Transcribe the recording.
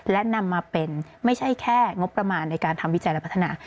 และนำมาเป็นไม่ใช่แค่งบประมาณในการทำวิจัยและพัฒนา